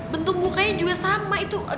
bentuk mukanya juga sama itu